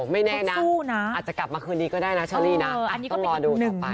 นี่ความสู้นะอาจจะกลับมาคืนนี้ก็ได้นะชอลลี่นะต้องรอดูต่อไปอันนี้ก็เป็นหนึ่ง